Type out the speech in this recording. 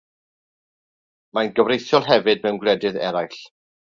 Mae'n gyfreithiol hefyd mewn gwledydd eraill.